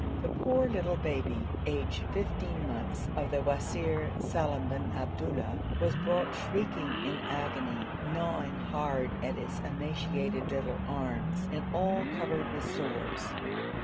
The poor little baby, aged fifteen months, of the Wazir Salim bin Abdullah was brought shrieking in agony, gnawing hard at its emaciated little arms, and all covered with sores.